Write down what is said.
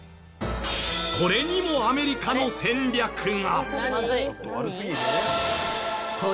これにもアメリカの戦略が。